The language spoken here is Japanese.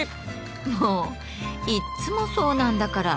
もういつもそうなんだから。